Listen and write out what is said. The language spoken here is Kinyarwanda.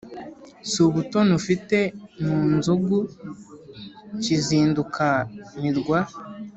si ubutoni ufite mu nzugu kizinduka-mirwa